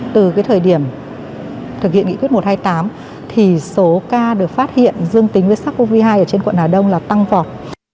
từ thời điểm thực hiện nghị quyết một trăm hai mươi tám thì số ca được phát hiện dương tính với sars cov hai ở trên quận hà đông là tăng vọt